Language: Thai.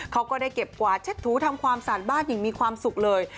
ก็ได้เก็บกวาดเช็ดถูทำความสะอาดบ้านอย่างมีความสุขเลย